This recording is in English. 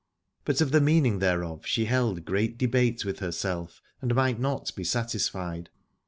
But of the meaning thereof she held great debate with herself and might not be satisfied.